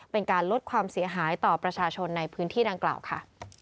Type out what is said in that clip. เป็นการลดความเสียหายต่อประชาชนในพื้นที่ดังกล่าวค่ะ